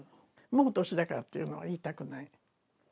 もう年だからっていうのは言いたくない。